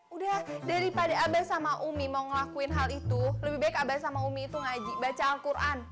udah daripada abang sama umi mau ngelakuin hal itu lebih baik abang sama umi itu ngaji baca alquran